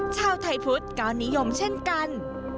ชาวไทยพุทธก็นิยมเช่นกัน